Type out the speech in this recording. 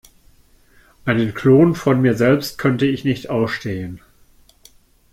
Einen Klon von mir selbst könnte ich nicht ausstehen.